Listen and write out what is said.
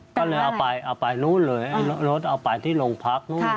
ก็เลยเอาไปเอาไปนู่นเลยรถเอาไปที่โรงพักนู่น